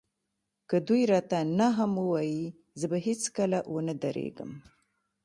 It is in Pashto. که دوی راته نه هم ووايي زه به هېڅکله ونه درېږم.